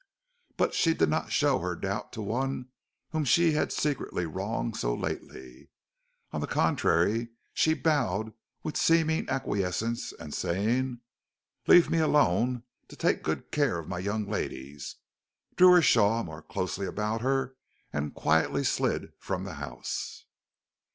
But she did not show her doubt to one whom she had secretly wronged so lately; on the contrary she bowed with seeming acquiescence, and saying, "Leave me alone to take good care of my young ladies," drew her shawl more closely about her and quietly slid from the house.